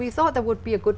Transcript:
kết thúc kế hoạch đó